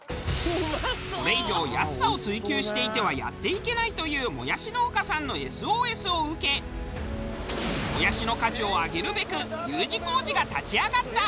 これ以上安さを追求していてはやっていけないというもやし農家さんのＳＯＳを受けもやしの価値を上げるべくＵ字工事が立ち上がった！